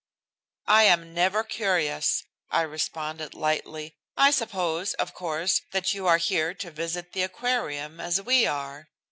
"I am never curious," I responded lightly. "I suppose, of course, that you are here to visit the Aquarium, as we are.